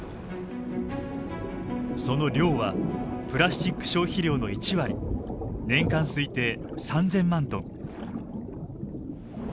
その量はプラスチック消費量の１割年間推定３，０００万トン。